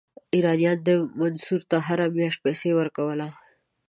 ایرانیانو منصور ته هره میاشت پیسې ورکولې.